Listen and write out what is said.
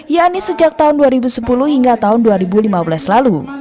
yakni sejak tahun dua ribu sepuluh hingga tahun dua ribu lima belas lalu